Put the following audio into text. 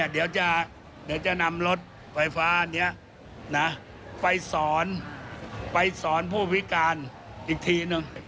เดี๋ยวจะนำรถไฟฟ้าไปสอนผู้พิการอีกทีหนึ่ง